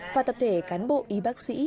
và tập thể cán bộ y bác sĩ